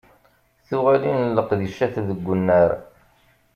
Tuɣalin n leqdicat deg unnar.